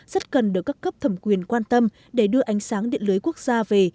rất cần được các cấp thẩm quyền quan tâm để đưa ánh sáng điện lưới quốc gia về